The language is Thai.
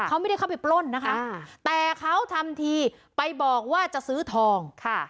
เขาไม่ได้เข้าไปปล้นนะคะแต่เขาทำทีไปบอกว่าจะซื้อทองค่ะ